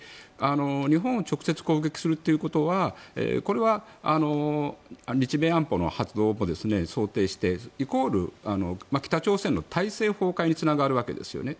日本を直接攻撃するということは日米安保の発動も想定してイコール、北朝鮮の体制崩壊につながるわけですよね。